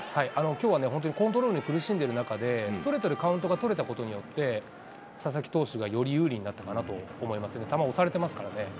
きょうはね、本当にコントロールに苦しんでる中で、ストレートでカウントが取れたことによって、佐々木投手がより有利になったかなと思いますね。